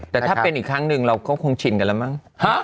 แต่ถ้าเป็นอีกครั้งหนึ่งเราก็คงชินกันแล้วมั้ง